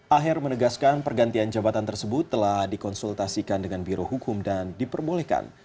aher menegaskan pergantian jabatan tersebut telah dikonsultasikan dengan biro hukum dan diperbolehkan